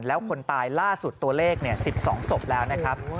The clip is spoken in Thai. แล้วคนตายล่าสุดตัวเลข๑๒ศพแล้วนะครับ